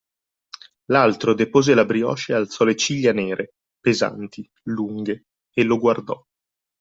L'altro depose la brioche e alzò le ciglia nere, pesanti, lunghe e lo guardò.